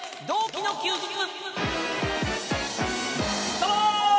どうも！